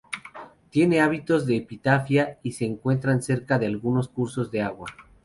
Tiene hábitos de epifita y se encuentra cerca de los cursos de agua.